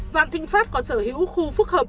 vạn thịnh pháp có sở hữu khu phức hợp